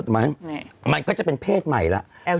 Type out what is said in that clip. มันก็จะเป็นเพศใหม่แล้ว